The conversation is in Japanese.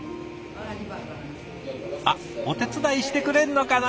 あっお手伝いしてくれるのかな？